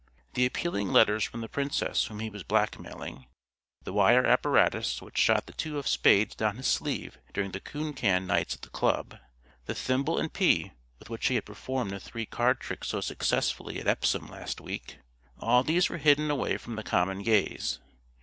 The appealing letters from the Princess whom he was blackmailing, the wire apparatus which shot the two of spades down his sleeve during the coon can nights at the club, the thimble and pea with which he had performed the three card trick so successfully at Epsom last week all these were hidden away from the common gaze.